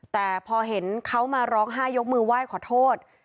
แต่พอเห็นเขามาร้องไห้ยกมือไหว้ขอโทษ